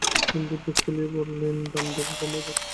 সন্দীপ বুক ফুলিয়ে বললেন, দাম দেব গো দেব।